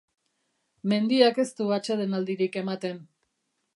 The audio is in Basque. Mendiak ez du atsedenaldirik ematen.